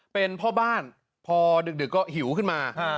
เป็นพ่อบ้านพอดึกก็หิวขึ้นมา